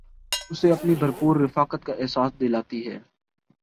اُسے اپنی بھر پور رفاقت کا احساس دلاتی ہے